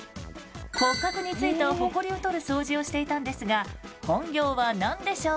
骨格についたほこりを取る掃除をしていたんですが本業は何でしょうか？